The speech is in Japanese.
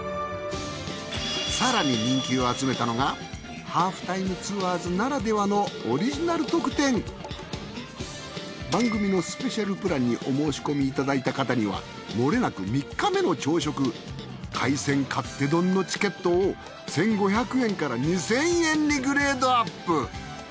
更に人気を集めたのが『ハーフタイムツアーズ』ならではのオリジナル特典番組のスペシャルプランにお申し込みいただいた方にはもれなく３日目の朝食海鮮勝手丼のチケットを１，５００円から２，０００円にグレードアップ！